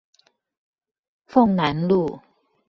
鳳楠路